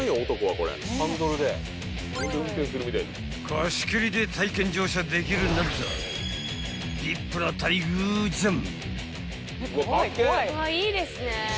［貸し切りで体験乗車できるなんざＶＩＰな待遇じゃん］